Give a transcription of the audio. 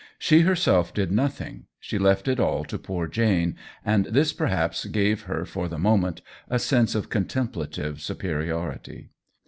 She herself did nothing, she left it all to poor Jane, and this perhaps gave her for the moment a sense of contemplative superiority.